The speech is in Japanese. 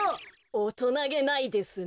おとなげないですね。